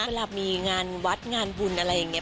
เวลามีงานวัดงานบุญอะไรอย่างนี้